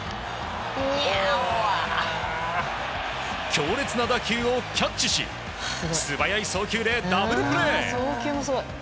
強烈な打球をキャッチし素早い送球でダブルプレー！